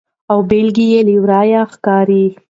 او بیلګه یې له ورایه ښکاري.